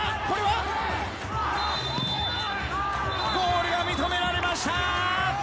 これはゴールが認められました。